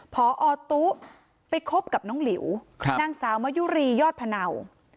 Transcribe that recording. พอตุ๊ไปคบกับน้องหลิวนางสาวมะยุรียอดพะเนา